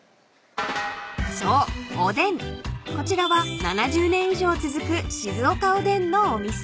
［こちらは７０年以上続く静岡おでんのお店］